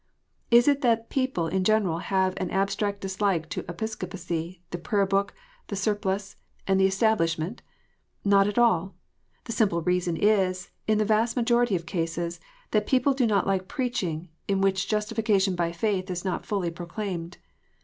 Is it that people in general have an abstract dislike to Episcopacy, the Prayer book, the surplice, and the establishment 1 Not at all ! The simple reason is, in the vast majority of cases, that people do not like preaching in which justification by faith is not fully proclaimed.